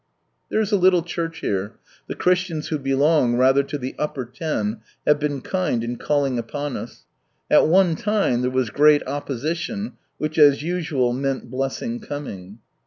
There is a little church here, the Christians who belong rather to the "upper ten," have been kind in calling upon us. At one time there was great opposition, which, as usual, meant blessing coming.